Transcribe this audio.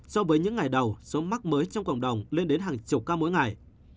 so với những ngày đầu số mắc mới trong cộng đồng lên đến hàng chục ca mỗi ngày